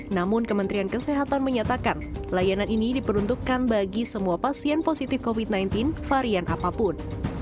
namun kementerian kesehatan menyatakan layanan ini diperuntukkan bagi semua pasien positif covid sembilan belas varian apapun